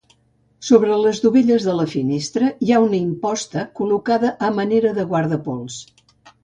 Sobre les dovelles de la finestra hi ha una imposta col·locada a manera de guardapols.